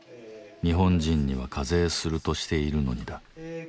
日本人には課税するとしているのにだ